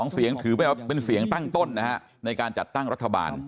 ๒เสียงถือเป็นเสียงตั้งต้นนะฮะในการจัดตั้งรัฐบาล